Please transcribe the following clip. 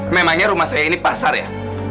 memangnya rumah saya ini pasar ya